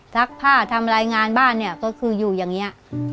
ซักผ้าทำรายงานบ้านเนี่ยก็คืออยู่อย่างนี้